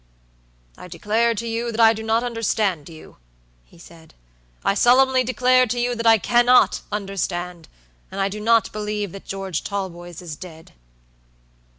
"I declare to you that I do not understand you," he said. "I solemnly declare to you that I cannot understand; and I do not believe that George Talboys is dead."